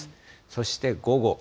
そして午後。